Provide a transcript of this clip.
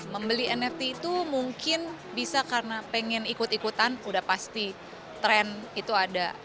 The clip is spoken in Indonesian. membeli nft itu mungkin bisa karena pengen ikut ikutan udah pasti trend itu ada